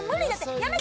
やめて！